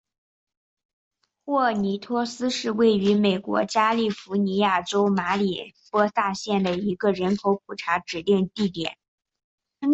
霍尼托斯是位于美国加利福尼亚州马里波萨县的一个人口普查指定地区。